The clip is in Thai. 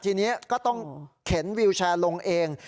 ทีนี้ก็ต้องเข็นวิวแชร์ลงเอง